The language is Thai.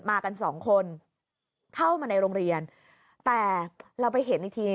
มากันสองคนเข้ามาในโรงเรียนแต่เราไปเห็นอีกที